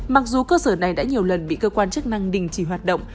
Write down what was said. mặc dù cơ sở này đã nhiều lần bị cơ quan chức năng đình chỉ hoạt động